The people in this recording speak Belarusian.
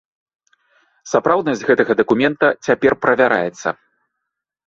Сапраўднасць гэтага дакумента цяпер правяраецца.